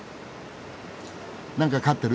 何か飼ってる？